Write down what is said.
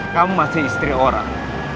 kamu masih istri orang